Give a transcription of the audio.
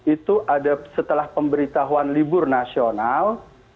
itu ada setelah pemberitahuan libur nasional